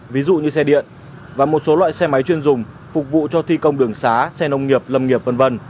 ví dụ như xe điện và một số loại xe máy chuyên dùng phục vụ cho thi công đường xá xe nông nghiệp lâm nghiệp v v